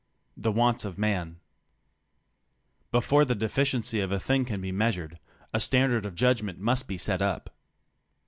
THE WANTS OF MAN Before the deficiency of a thing can be measured, a stand ard of judgment must be set up.